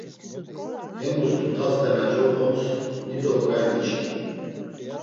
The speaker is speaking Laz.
Hemus Tutaste na coxons dido ǩai miçkin.